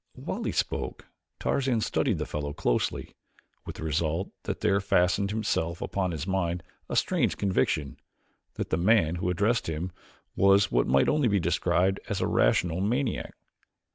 While he spoke Tarzan studied the fellow closely, with the result that there fastened itself upon his mind a strange conviction that the man who addressed him was what might only be described as a rational maniac.